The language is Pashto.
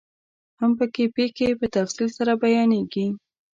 هم پکې پيښې په تفصیل سره بیانیږي.